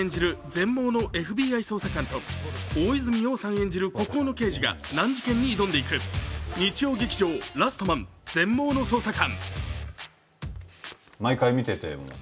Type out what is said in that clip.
全盲のＦＢＩ捜査官と大泉洋さん演じる孤高の刑事が難事件に挑んでいく日曜劇場「ラストマン―全盲の捜査官―」。